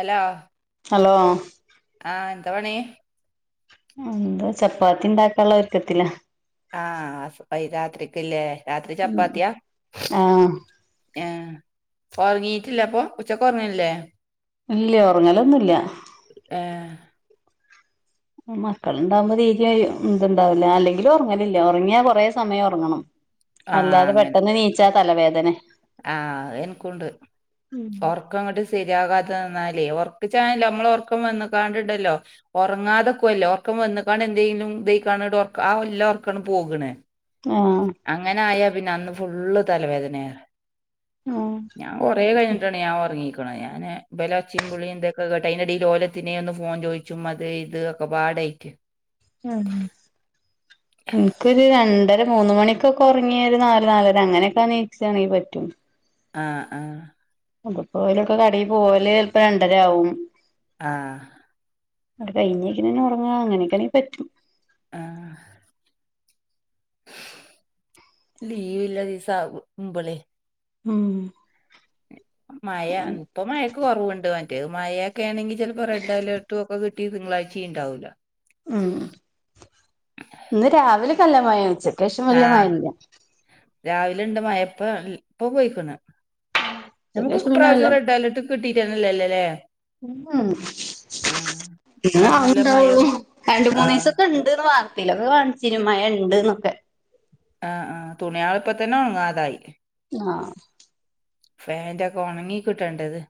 Hello hello ആഹ് എന്ത പണീ? എന്ത ചപ്പാത്തിണ്ടാക്കാല്ലൊരുക്കത്തില. ആഹ് അസ് അയ്രാത്രിക്ക്ല്ലേ രാത്രി ചപ്പാത്തിയാ? ആഹ് ഏ ഒർങ്ങീട്ടില്ലപ്പൊ ഉച്ചക്ക് ഒർങ്ങലില്ലേ? ഇല്ല ഒർങ്ങലൊന്നുല്ല ഏഹ് മക്കളുണ്ടാവുമ്പോ തീരെ ഇതുണ്ടാവൂല്ല അല്ലെങ്കിലു ഒർങ്ങലില്ല ഒർങ്ങിയാ കൊറേ സമയം ഒർങ്ങണം ആഹ് അല്ലാതെ അങ്ങനെ പെട്ടെന്ന് നീച്ചാ തലവേദനെ ആഹ് അഹ് എൻക്കുണ്ട് ഒർ ർക്കങ്ങട്ട് ശരിയാകാതെന്നാലേ ഒർക്ക ചായെല്ലോ അമ്മള് ഒർക്കം വന്ന്കാണ്ട്ണ്ടല്ലോ ഒർങ്ങാതെക്കുവല്ലോ ഒർക്കം വന്നക്കാണെന്തെങ്കിലും ഇതൈ കാണ്ട്‌ ഒർക്ക് ആ ഇല്ലെ ഒർക്കാണ് പോകണേ ആഹ് അങ്ങനായാ പിന്ന അന്ന് ഫുള്ള് തലവേദനയ ആഹ് ഞാൻ കൊറേ കഴിഞ്ഞിട്ടാണ് ഞാൻ ഒർങ്ങീക്ക് ക്കണ് ഞാന് ഇബലൊച്ചിം വിളി ഇതൊക്കെ കേട്ട് അയ്ന്റടയിൽ ഓലത്തിനെയൊന്ന് ഫോൺ ചോയ്ച്ചും അത് ഇത് ഒക്കെപാടായിട്ട് ഉം ൻക്കൊരു രണ്ടര മൂന്ന് മണിക്കൊക്കെ ഒർങ്ങിയൊരു നാല് നാലര അങ്ങനെയക്ക നീച്ചാണെങ്കിൽ പറ്റും ആഹ് ആഹ് അത്പ്പൊ ഓലൊക്കെ കടേൽ പോവല് ചെൽപോ രണ്ടര ആവും ആഹ് അത് കൈഞ്ഞീക്കണ്ന്നെ ഒർങ്ങ അങ്ങനെയൊക്കാണെങ്ക് പറ്റും ആഹ് ലീവില്ലെ ദിവസാവുമ്പളെ ഉം മയ ഇപ്പൊ മഴക്ക് കൊറവുണ്ട് മറ്റേത് മഴക്കെ ആണെങ്കി ചെൽപ്പോ റെഡ് അലർട്ടും ഒക്കെ കിട്ട് ട്ടി തിങ്കളാഴ്ചീ ഇണ്ടാവൂല ഉം ഇന്ന് രാവിലെകല്ല മഴ ഉച്ച ആഹ് രാവിലെണ്ട് മഴ പ്പൊ ൽ ഇപ്പൊ പോയിക്ക്ണ് നമുക്ക് ഉച്ചക്കേഷം പിന്നെ വല്ല ഇപ്രാവശ്യം റെഡ് അലർട്ട് കിട്ടീട്ടെന്നെല്ലല്ലലേ ഉം ഇങ്ങനെ അയിനില്ല മഴ ആവ്ണ്ടാവൊള്ളൂ രണ്ട് ആഹ് മൂന്നീസത്തെൺ ണ്ട്ന്ന് വാർത്തീലൊക്കെ കാൺചീനു മഴണ്ട്ന്നൊക്കെ ആഹ് ആഹ് തുണിയൾ ഇപ്പതന്നെ ഒൺങ്ങാതായി ആഹ് ഫാന്റൊക്കെ ഒണങ്ങി കിട്ടേണ്ടത്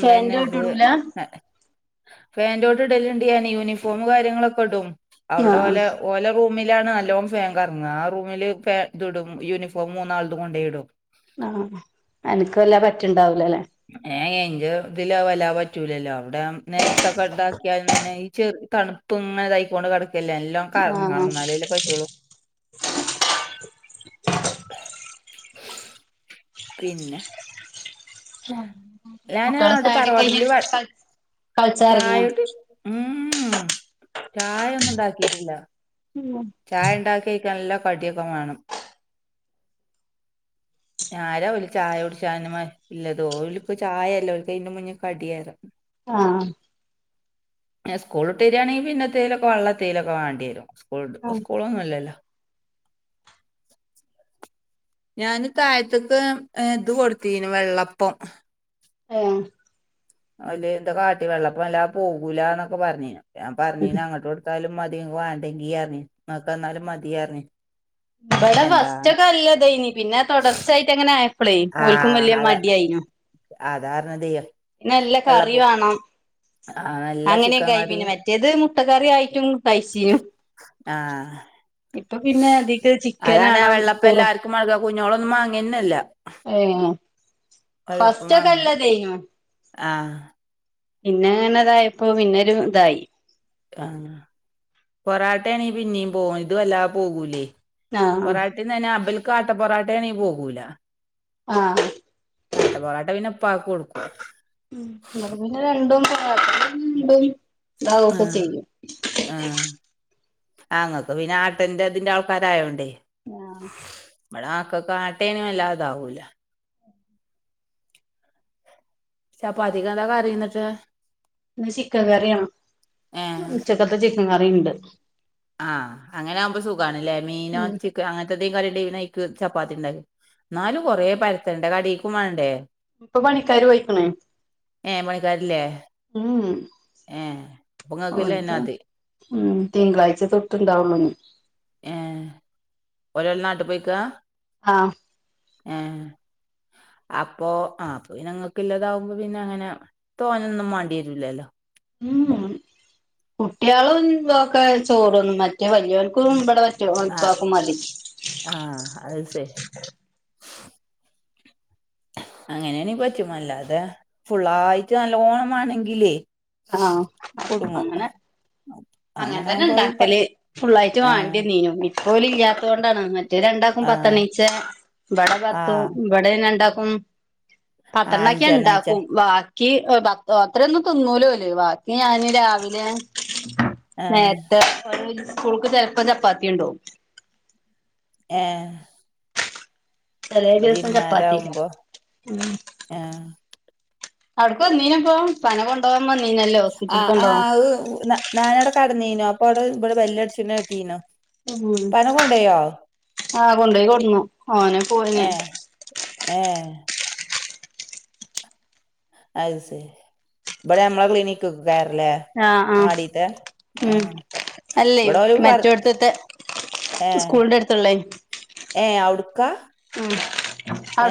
ഫാനിന്റെ ചോട്ടിടൂല നനഞ് ഫാന്റോട്ട് ഇടല്ണ്ട് ഞാന് യൂണിഫോമു കാര്യങ്ങളൊക്കെ ഇടും അവ്ടെ ആഹ് ഓലെ ഓലെ റൂമിലാണ് നല്ലോം ഫാൻ കറങ്ങ ആ റൂമില് ഫ ഇത് ഇടും യൂണിഫോം മൂന്നാളതും കൊണ്ടേയിടും ആഹ് അൻക്ക് വല്ലാ പറ്റ്ണ്ടാവൂലല്ലേ ഏഹ് ഏയ് ഇന്റെ ഇതില് അഹ് വല്ലാതെ പറ്റൂലല്ലോ അവിടാം നെൽത്തൊക്കെ ഇതാക്കിയാൽന്നെന്നെ ഈ ചെർ തണു തുമ്മനതായികൊണ്ട്‌ കെടക്കല്ലെ നല്ലോം ആഹ് കർങ്ങങ്ങണം എന്നാലെല്ലേ പറ്റുള്ളൂ പിന്നെ ആം ഞാന് കുട്ട്യേളെ അവിടെ ചായൊടിക്കയിഞ് തറവാട്ടില് വ കൾ കളചാനെർങ്ങ്യ ഊ ഉം ചായൊന്നുണ്ടാക്കീട്ടില്ല [unintelligible] ചായണ്ടാക്കിക്ക് നല്ല കടിക്കെ മാണം ഞാരാവലെ ചായുട്ചാനുമന് ഇല്ലതോലുക് ചായല്ലോൽക്ക് അയ്ന്റെ മുന്നേ കടിയറ ആഹ് പിന്നെ സ്കൂൾട്ടെരാണെങ്കി പിന്നെ തേലൊക്കെ വള്ളതേങ്കിലോക്കെ വാണ്ടെരും സ്കൂൾട്ട് സ്കൂളൊന്നും ഇല്ലല്ലോ ഞാന് തായത്ത്ക്ക് എ ഇത് കൊടുത്തീന് വെള്ളപ്പം ഏഹ് അയില് എന്താ കാട്ടി വെള്ളപ്പല്ലാ പോകൂലാന്നൊക്കെ പറഞ്ഞീനു ഞാൻ പറഞ്ഞീനങ്ങൊട്ടോട് ത്താലും മതി ഇങ്ങ് വാണ്ടെങ്കിയർഞ് ഇങ്ങക്കന്നാലും മതിയായിർന്ന് ഇബടെ ഫസ്റ്റ് ഒക്കെ അല്ലതയ്നി പിന്നെ തോടർച്ചയായിട്ട് അങ്ങനെ ആയപ്പളെ ഓൽക്കും വെല്യേ മടി ആയി അതാർഞ്ഞതെ ന്ന് നല്ല കറി വാണം ആഹ് നല് അങ്ങനെയൊക്കെആയി പിന്നെ മറ്റേത് മുട്ടക്കറി ആയിട്ടും കൈച്ചീന്നു ആഹ് ഇപ്പൊ പിന്നെ ഇത്ക്ക് ചിക്കൻ അതാണ് ആ ആണം വെള്ളപ്പം പറു് [unintelligible] കുഞ്ഞോളൊന്നും മാങ്ങ്ന്നല്ല ഏഹ് ഫസ്റ്റ്ക്കെ വാങ്ങൂല അല്ലതയ്നു ആഹ് പിന്നെ ഇങ്ങനെ തായപ്പോ പിന്നൊരു ഇതായി ആഹ് പൊറാട്ട ആണെങ്കി പിന്നിം പോകും ഇത് വല്ലാതെ പോകൂലേ ആഹ് പൊറാ തിന്നെനെ അബൽക്ക് ആട്ട പൊറാട്ട ആണെങ്കി പോകൂല ആഹ് ആട്ട പൊറോട്ട പിന്നെ ഇപ്പാക്ക്‌ കൊടുക്കും ഇവിടെ പിന്നെ രണ്ടും ആഹ് അതും ഇതും ഇതാവൊക്കെ ആഹ് ചെയ്യും ആഹ് ആഹ് ഇങ്ങക്ക് പിന്നെ ആട്ടന്റെ ഇതിന്റെ ആൾക്കാരായോണ്ടേ ആഹ് ഇബടെ മക്കക്ക്‌ ആട്ടേണെ വല്ലാതെ താവൂല ചപ്പാത്തിക്ക് എന്താ കറി ഇന്നട്ട്? ഇന്ന് ചിക്കൻ കറിയാണ് ഏഹ് ഉച്ചക്കത്തെ ചിക്കൻ കറിണ്ട് ആഹ് അങ്ങനെ ആവുമ്പോ സുഖാണ് ല്ലേ മീനോ ഉം അങ്ങൻത്തെ എന്തേം കടി ഇണ്ടെങ്കി അയ്ക്ക് ചപ്പാത്തി ഇണ്ടാക്ക്യ എന്നാലും കൊറെ പെരത്തണ്ടേ കടിക്കും മാണ്ടേ? ഇപ്പ പണിക്കാര് പോയ്ക്ക്‌ണ് ഏഹ് പണിക്കാരില്ലേ ഉം ഏഹ് ഇപ്പൊ ഇങ്ങക്ക് ഇല്ലതന്നെ ഓൽക്ക് അതി ഉം തിങ്കളാഴ്ച തൊട്ട് ഇണ്ടാവും ഇനി ഏഹ് ഒരാള് നാട്ട്പാെയിക്കാ ആഹ് ഏഹ് അപ്പോ ആഹ് അപ്പൊ പിന്നെ ഇങ്ങക്ക്ല്ലതാവുമ്പോ പിന്നെ അങ്ങനെ തോനെന്നും മാണ്ട്യേരൂല്ലല്ലോ ഉം കുട്ട്യാളുംതൊക്കെ ചോറ്ന്നും മറ്റേ വല്യോൽക്കും ഇബടെ റ്റും ഇപ്പാക്കും മതി ആഹ് അത് ശെരി അങ്ങനെയാണങ്കി പറ്റും അല്ലാതെ ഫുള്ളായിട്ട് നല്ലോണംമാണെങ്കിലേ ആഹ് അങ്ങനെ അങ്ങനെ അങ്ങൻതന്നെ ആവുമ്പോ പ ഇണ്ടാക്കല് ഫുള്ളായിട്ട് ആ വാണ്ട്യന്നീനു ഇപ്പ ഓൽ ഇല്ലാത്തോണ്ടാണ് മറ്റേ രണ്ടാക്കും ആ പത്തെണ്ണീച്ചേ ഇബടെ ആ പത്തും ഇവടെ പിന്നെ രണ്ടാക്കും ആ പത്തെണ്ണാക്ക്യങ് അഞ്ചെണ്ണീച്ച ഇണ്ടാക്കും വാക്ക് ക്കി അ് പത്ത് അത്രയൊന്നും തിന്നൂലോല് വാക്കി ഞാന് രാവിലേ ആ നേര്ത്തെ അതോ സ്കൂൾക്ക് ചെലപ്പം ചപ്പാത്തി കൊണ്ടോവും ഏഹ് ചെലേദിവസം ചപ്പാത്യയ്ക്കാരം ഉം ആഹ് അവിട്ക്ക് വന്നീനോ ഇപ്പോ ഇപ്പാനെ കൊണ്ടോവാൻ വന്നീനല്ലോ ഹോസ്പിറ്റൽക്ക് കൊണ്ടോവാൻ ആ് ന്നാ ഞാനവിടെ കടന്നീനു അപ്പോ അവിടെ ഇബടെ ബെല്ലട്ച്ച്ണെ കേട്ടീന്നു ഉം ആഹ് കൊണ്ടോയി കൊട്ന്നു ഓനാ പോയിനെ ഏഹ് ഏഹ് അഅ് ശരി ഇബടെ നമ്മളെ ക്ലിനക്ക്ക്കാരല്ലേ ആഹ് ആഹ് ഉം അല്ലെയ് ഇവിടെ ഓല് പറ മറ്റോട്ത്ത്ത്തെ ഏഹ് സ്കൂളിന്റെ അടുത്തുള്ളേ ഏഹ് അവിടുക്കാ? ഉം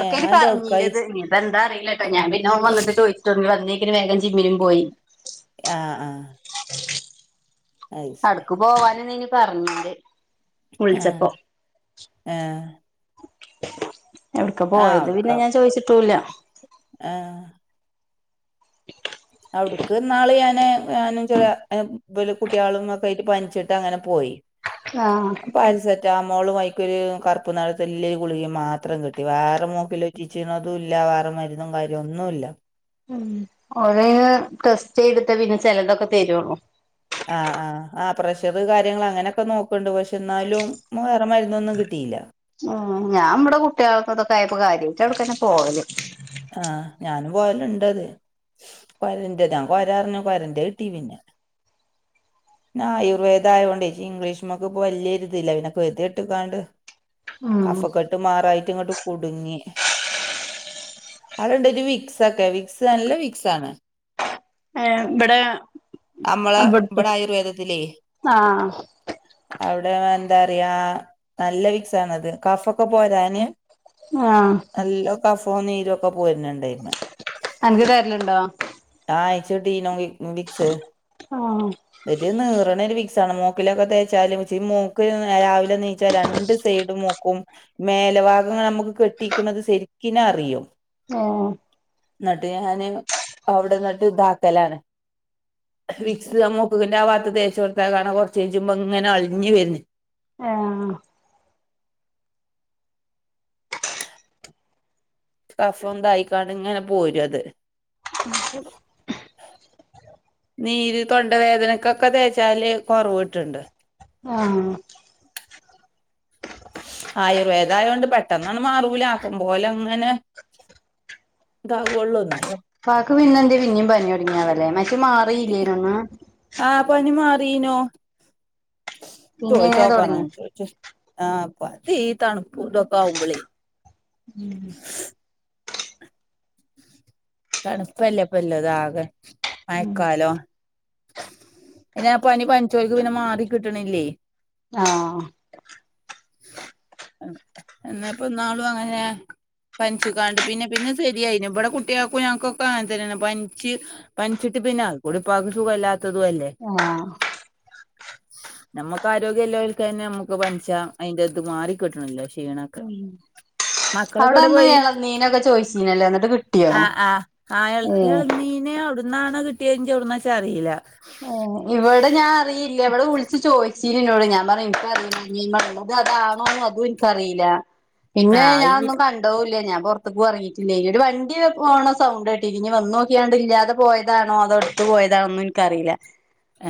ഏഹ് അതെന്തേ അവിടുക്കായി പറഞ്ഞീന്റത് പ്പെന്താറില്ലട്ടോ ഞാ പിന്നെ ഓൻ വന്ന്ട്ട് ചോയിച്ചിട്ടു [unintelligible] വന്നേക്കിന് വേഗം ജിമ്മിനും പോയി ആ ആ അവട്ക്കു പോവാന് ന്നെന്നു പറഞ്ഞാല് വിളിച്ചപ്പോ ഏഹ് എവ്ട്ക്കാ ആഹ് പോയത് പിന്നെ അവിടുക്കാ ഞാൻ ചോയിച്ചിട്ടൂല്ല. ആഹ് അവ്‌ട്ക്ക്ന്നാള് ഞാന് ഞാനും ചെറേ ഏ ബല് കുട്ട്യേളും ഒക്കേയിട്ട് പനിച്ചിട്ട് അങ്ങനെ പോയി. ആഹ് പാരസെറ്റാമോളും അയ്ക്കൊരു കറുപ്പ് നിറത്തിലുല്ല ഗുളികിം മാത്രം കിട്ടി വേറെ മൂക്കില് റ്റിച്ചിണതുംല്ലാ. വേറ മരുന്നും കാര്യം ഒന്നുംല്ല. ഉം ഓലയ്ൻ ടെസ്റ്റ് ചെയ്തിട്ടേ പിന്നെ ചെലതൊക്കെ തരു ആഹ് ആഹ്. ആ പ്രഷറ് കാര്യങ്ങള അങ്ങനൊക്കെ നോക്ക്ണ്ട്. പക്ഷെ ന്നാലും വേറെ മരുന്നൊന്നും കിട്ടിയില്ല. ഉം. ഞാവ്ടെ കുട്ട്യേൾക്ക് തൊക്കായപ്പൊ കാര്യായിട്ട് അവ്ട്ക്കന്നെ പോവല്. ആഹ്. ഞാനും പോവല്ണ്ടത് കൊരന്റെ താ ഞാ കൊരാർഞ്ഞു കൊരന്റെ കിട്ടീ [unintelligible] ഞാ ആയുർവേദായോണ്ടെ ഇംഗ്ലീഷ്മക്ക്പ്പൊ വല്ല്യോര്തില്ല. പിന്നെപ്പൊ കെതിയെട്ട്ങ്ങാണ്ട് ഉം കഫകെട്ട് മാറായിട്ട്ങ്ങട്ട് കുട്ങ്ങി. അവ്ടെണ്ടൊരു വിക്സൊക്കെ. വിക്സ് നല്ല വിക്സാണ്. വടേ അമ്മളെ ബടെ ആയുർവേദത്തിലേ ആഹ് അവ്ടെ എന്താറിയാ നല്ല വിക്സാണത്. കഫൊക്കെ പോരാന് ആഹ് നല്ലൊ കഫും നീരൊക്കെ പോര്ന്ണ്ടയ്മ്മെ അൻക്ക് തര്ല്ണ്ടോ? [unintelligible] വിക് വിക്സ് ആഹ് ഒരു നീർണ ഒരു വിക്സാണ്. മൂക്കിലൊക്കെ തേച്ചാല് ച്ച് മൂക്ക്ല് നേ രാവിലെ നീച്ചാൽ രണ്ട് സ് സൈഡും മൂക്കും. മേലഭാഗങ്ങനെ അമുക്ക് കെട്ടിക്ക്ണത് സെരിക്കിനറിയും. ഏഹ് ന്നട്ട് ഞാന് അവിടെന്നിട്ട്താക്കലാണ് വിക്സ് ആ മൂക്ക്കിന്റെ ആ ഭാത്ത് തേച്ചോട്ത്താ കാണാ കൊർച്ച് കെജ്ജുമ്പങ്ങനെ അളിഞ്ഞ് വര്ന്. ഏഹ് കഫംതായിക്കാണ്ട്ങ്ങനെ പോരും അത് നീര് തൊണ്ടവേദനക്കൊക്കെ തേച്ചാല് കൊറവ്ട്ട്ണ്ട് ആഹ് ആയുർവേദായോണ്ട് പെട്ടെന്നൊന്ന് മാറൂല. ആക്കം പോലെങ്ങനെ ദാ വൊള്ളോ ന്നാ പ്പാക്ക് പിന്നെന്തേ പിന്നിം പനി ഒട്ങ്ങി ആവല്ലേ. മറ്റേ മാറില്ല്യേനൊ അന്ന്. ആ പനി മാറീനു. പിന്നെ ഇങ്ങനെ ചോയിച്ചോക്കണം തൊടങ്ങിയോ ചോയ്ച്ച് ആഹ്. പ്പ തീ ഈ തണുപ്പുംതൊക്കെ ആവുമ്പളേ ഉം തണ്പ്പല്ലേ പ്പല്ലത് ആകെ. ഉം മയക്കാലോ അയ്നാ പനി പനിച്ചോൽക്ക് പിന്നെ മാറി കിട്ട്ണില്ലേ ആഹ് എന്നേപ്പന്നാളും അങ്ങനേ പനിച്ച്ങ്ങാണ്ട് പിന്നെ പിന്നെ ശരിയായിനു. ബടെ കുട്ടിയ ക്കും. ഞയങ്ങ്ക്കൊക്കെ അങ്ങൻതന്നേണ്. പൻച്ച്, പൻച്ചിട്ട് പിന്നെ അത്കൂടി പ്പാക്ക് സുഖല്ലാ ത്തതു അല്ലേ ആഹ് ഞമ്മക്ക് ആരോഗ്യല്ലോൽക്കെന്നെ മ്മുക്ക് പൻച്ചാ അയിന്റെത് മാറികിട്ട്ണല്ലാ ക്ഷീണൊക്കെ. ഉം. മക്കളൊക്കെ എവിടെ അവ്ടന്ന് പോയി എളന്നീനൊക്കെ ചോയിച്ചീനല്ലോ? ന്നട്ട് കിട്ട് ആഹ് ആഹ് ആയൽ എളനീന്. അവിടുന്നാണ് കിട്ടിയങ്കി അവിടനാച്ച അറിയില്ല. ഏ ഇവിടെ ഞാൻറിയില്ല ഇവിടെ വിളിച്ച് ചോദിച്ചിന്നോട് ഞാൻ പറഞ്ഞ് എനിക്കറില്ല. [unintelligible] അതും എനിക്കറിയില്ല [inaudible] പിന്നെ ഞാൻ അയില് ഒന്നു പിന്നെ കൺ ഉണ്ടാവുല്ല ഞാൻ പുറത്തക്ക് പോവാൻ ഇറങ്ങിട്ടില്ല. ഇനി ഒരു വണ്ടി പോണ സൗണ്ട് കെട്ടിനി വന്ന് നോക്കിയാണ്ടില്ലാതെ പോയതാണോ അതോടുത്ത് പോയതാണോന്നും എനിക്കറില്ല. ഏ,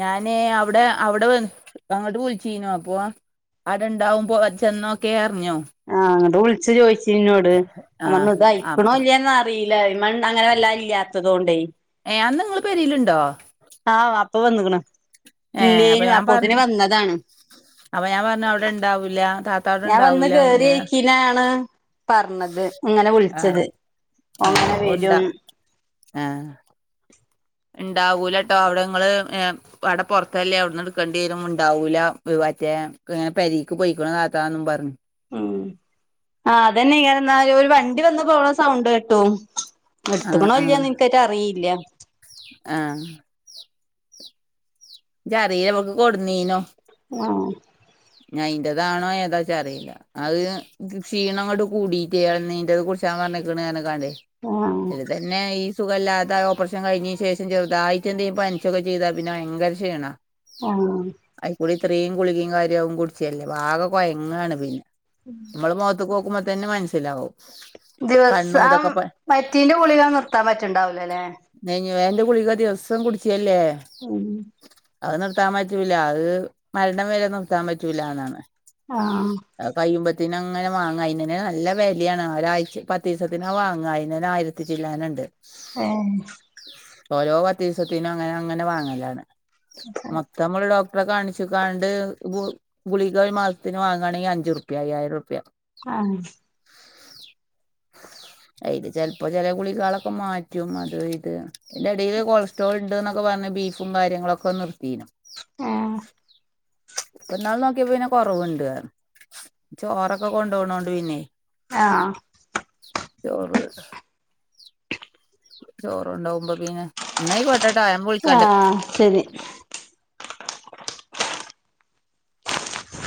ഞാന് അവിടെ അവിടെ വ അങ്ങോട്ട് വിലിച്ചീനു അപ്പൊ അടണ്ടാവും പോ ചെന്നോക്കെറിഞ്ഞോ. ആഹ് അങ്ങട്ട് വിളിച്ചു ചോയിച്ചിന്നോട് ആഹ് ഞമ്പറഞ്ഞു അപ്പൊ ഇതയക്കണോല്യോന്ന യില്ലയമൺ അങ്ങനെ വല്ല ഇല്ലാത്തത്കൊണ്ടേ. ഏ അന്ന് നിങ്ങള്പേരിലുണ്ടോ? ആഹ് വാപ്പ വന്നക്ക്ണ് ഏഹ് അപ്പൊ ഇല്ലേനു ഞാൻ അപ്പൊതിന് പറഞ്ഞു വന്നതാണ്. അപ്പൊ ഞാൻ പറഞ്ഞു അവിടെ ഇണ്ടാവൂല്ല. ത ഞാൻ വന്ന് കയറിയിക്കീനാണ് പറഞ്ഞത് ഇങ്ങനെ ആഹ് വിളിച്ചത്. ഏഹ് അങ്ങനെ ഓൻ ഇണ്ടാ വരും. ആഹ് ഉണ്ടാവൂലട്ടോ അവിടെങ്ങള് ഏ അവിടെ പുറത്തല്ലേ അവിടന്ന് എടുക്കേണ്ടി വരും ഉണ്ടാവൂല മറ്റേ പെരീക്ക് പോയിക്കണ് താത്താന്നും പറഞ്ഞു ഉം ആഹ് അതന്നെ ഒരു വണ്ടി വന്ന് പോണ സൗണ്ട് കെട്ടു. ആഹ് ആഹ് എടുത്തക്കണല്ലന്ന്ൻക്കറ്റ അറിയില്ല. ആഹ്. ച്ചറീയിലഇവട്ക്ക് കൊടുന്നീനു. ആഹ് അയ്ന്റേതാണോ ഏതാ ച്ചാറിയില്ല. അത് ക്ഷീണം ങ്ങോട്ട് കൂടീട്ടേ എള നീന്റെത്കൂടിച്ചാൻ പറഞ്ഞിക്കണാണ്കാണ്ടെ ആഹ് അത് തന്നെ ഈ. സുഖല്ലാതെ ഓപ്പറേഷൻ കഴിഞ്ഞതി ശേഷം ചെറുതായിട്ട് എന്റേം പനിച്ചൊക്കെ ചെയ്താ പിന്നെ ഭയങ്കര ക്ഷീണ. ആഹ് അയിക്കൂടി ഇത്രയും കുളികയും കാര്യവും കുടിച്ചല്ലേ. വാകെ കൊയങ്ങാണ് പിന്നെ. ഉം നമ്മൾ മോത്ത്ക്ക് നോക്കുമ്പതന്നെ മനസ്സിലാവും. കണ്ണും ദിവസം ഇതൊക്കെ പ മറ്റീന്റെ ഗുളിക നിർത്താൻ പറ്റണ്ടാവല്ലുല്ലേ. നഞ്ഞിവേദനന്റെ ഗുളിക ദിവസം കുടിച്ചല്ലേ. ഉം അത് നിർത്താൻ പറ്റൂല്ല അത് മരണ വരെ നിർത്താൻ പറ്റുല്ലന്നാണ്. ആഹ് കയ്യുമ്പത്തിന് അങ്ങനെ വാങ്ങ അയ്ന്നന നല്ല വലാണ് ഒരാഴ്ച പത്ത് ദിവസത്തിന് ആ വാങ്ങ അയ്നൊരു ആയി ത്തിച്ചല്ലാനുണ്ട്. ഹെ ഓരോ പത്തിസത്തിനും അങ്ങനെ അങ്ങനെ വാങ്ങലാണ്. പ്പനമ്മള് ഡോക്ടറെ കാണിച്ച്ക്കാണ്ട് ഗു ഗുളികാ മാസത്തിന് വാങ്ങയാണെങ്കിൽ അഞ്ച് റുപിയ അയ്യായിരം റുപിയ ആഹ് അയ്ല് ചെലപ്പോ ചല ഗുളികളൊക്കെ മാറ്റും അതി ഇത് എന്റെടയിൽ കൊളസ്ട്രോൾ ഉണ്ട് എന്നൊക്കെ പറഞ്ഞ ബീഫും കാര്യങ്ങളുക്കെ നിർത്തിനു. ഏഹ് പ്പ. ന്നാള് നോക്കിയപ്പം പിന്നെ. കൊറവുണ്ട് ചോറൊക്കെ കൊണ്ടോണോണ്ട് പിന്നെ. ആഹ് ചോറ് ചോറാെണ്ടാേവുമ്പോ പിന്നെ ഇന്നായിക്കോ [inaudible] ആഹ് ശരി